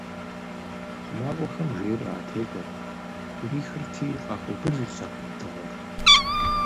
Хъумакӏуэхэм жейр къатекӀуэрт, Ӏурихырти, къахуэубыдыртэкъым дыгъур.